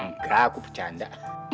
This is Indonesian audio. enggak aku berjanda